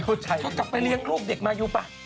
เธอกลับไปเลี้ยงลูกเด็กมายูป่ะ